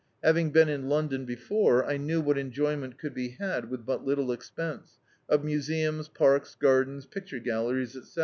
Having been in London before, I knew what en joyment could be had with but little expense — of museums, parks, gardens, picture galleries, etc.